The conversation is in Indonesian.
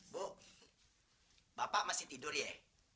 bu bapak masih tidur ya